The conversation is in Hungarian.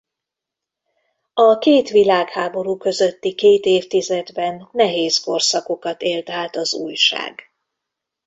A két világháború közötti két évtizedben nehéz korszakokat élt át az újság.